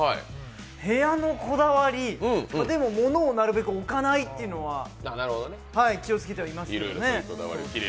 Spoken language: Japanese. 部屋のこだわり、物をなるべく置かないっていうのは気をつけてますね。